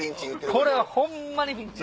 これはホンマにピンチ。